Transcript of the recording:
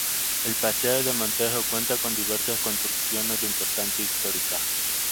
El Paseo de Montejo cuenta con diversas construcciones de importancia histórica.